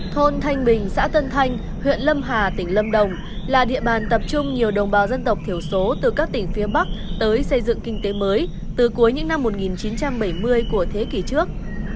thôn thanh bình xã tân thanh huyện lâm hà tỉnh lâm đồng là địa bàn tập trung nhiều đồng bào dân tộc thiểu số từ các tỉnh phía bắc tới xây dựng kinh tế mới từ cuối những năm một nghìn chín trăm bảy mươi của thế kỷ trước